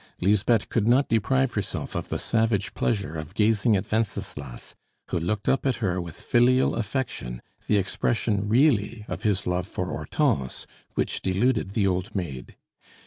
Lisbeth could not deprive herself of the savage pleasure of gazing at Wenceslas, who looked up at her with filial affection, the expression really of his love for Hortense, which deluded the old maid.